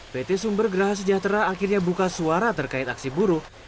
pt sumber geraha sejahtera akhirnya buka suara terkait aksi buruh